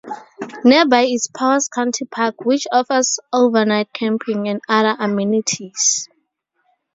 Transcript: Nearby is Powers County Park, which offers overnight camping and other amenities.